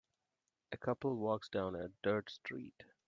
A couple walks down a dirt street.